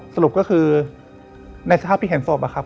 สรุปก็คือในสภาพที่เห็นศพอะครับ